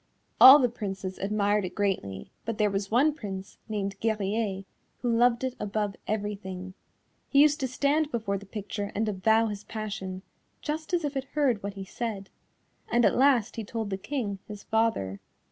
All the Princes admired it greatly, but there was one Prince, named Guerrier, who loved it above everything; he used to stand before the picture and avow his passion, just as if it heard what he said, and at last he told the King, his father.